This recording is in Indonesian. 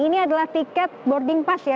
ini adalah tiket boarding pass ya